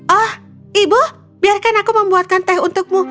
oh ibu biarkan aku membuatkan teh untukmu